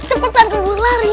sebentar keburu lari